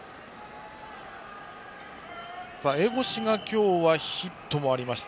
江越が今日はヒットもありました。